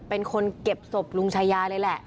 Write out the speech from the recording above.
เป็นคนเก็บศพลุงชายาเลยแหละ